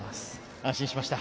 安心しました。